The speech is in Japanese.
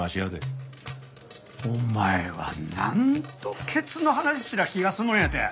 お前は何度ケツの話すりゃ気が済むんやて！